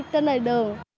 trên đời đường